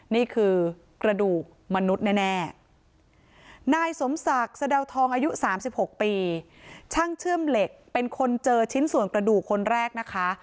นี่คือกระดูกมนุษย์แน่นายสมศักดิ์สะดาวทองอายุ๓๖ปีช่างเชื่อมเหล็กเป็นคนเจอชิ้นส่วนกระดูกคนแรกนะคะ